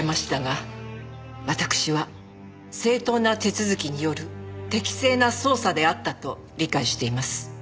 「わたくしは正当な手続きによる適正な捜査であったと理解しています」